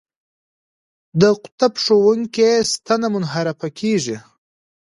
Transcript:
د قطب ښودونکې ستنه منحرفه کیږي.